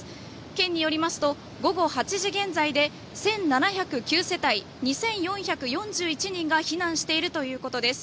県によりますと午後８時現在で１７０９世帯２４４１人が避難しているということです。